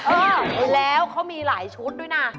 อ้าวแล้วเขามีหลายชุดด้วยนะ